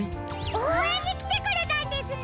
おうえんにきてくれたんですね！